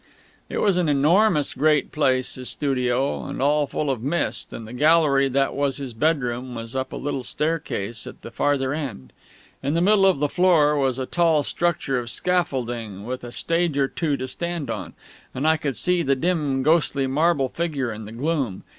It was an enormous great place, his studio, and all full of mist; and the gallery that was his bedroom was up a little staircase at the farther end. In the middle of the floor was a tall structure of scaffolding, with a stage or two to stand on; and I could see the dim ghostly marble figure in the gloom.